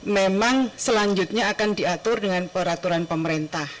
memang selanjutnya akan diatur dengan peraturan pemerintah